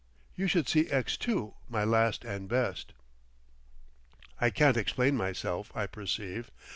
(You should see X2, my last and best!) I can't explain myself, I perceive.